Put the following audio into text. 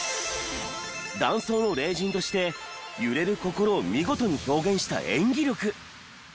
男装の麗人として揺れる心を見事に表現した演技力。